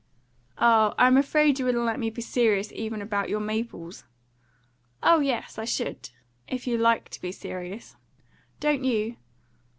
"Ah, I'm afraid you wouldn't let me be serious even about your maples." "Oh yes, I should if you like to be serious." "Don't you?"